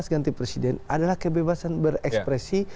dua ribu sembilan belas ganti presiden adalah kebebasan berekspresi